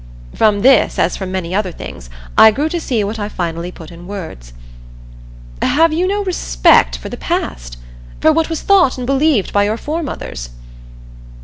From this, as from many other things, I grew to see what I finally put in words. "Have you no respect for the past? For what was thought and believed by your foremothers?"